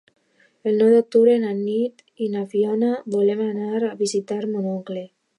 El nou d'octubre na Nit i na Fiona volen anar a visitar mon oncle.